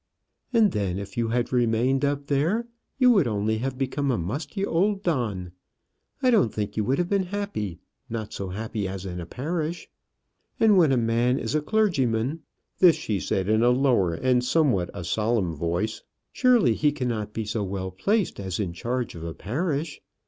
"And then, if you had remained up there, you would only have become a musty old don. I don't think you would have been happy, not so happy as in a parish. And when a man is a clergyman" this she said in a lower and somewhat a solemn voice "surely he cannot be so well placed as in charge of a parish.